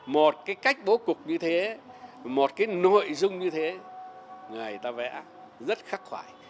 một cái cách bố cục như thế một cái nội dung như thế người ta vẽ rất khắc khoải